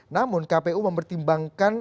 namun kpu mempertimbangkan